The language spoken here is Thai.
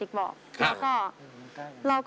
โอ้โหโอ้โหโอ้โห